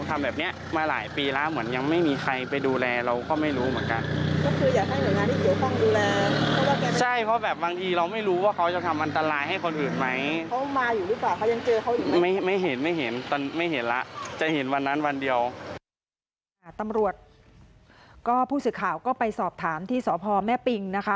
ตำรวจก็ผู้สื่อข่าวก็ไปสอบถามที่สพแม่ปิงนะคะ